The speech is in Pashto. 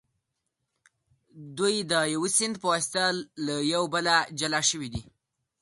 دوی د یو سیند په واسطه له یو بله جلا شوي دي.